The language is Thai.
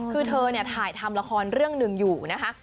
คือเธอเนี่ยถ่ายทำละครเรื่องหนึ่งอยู่นะคะ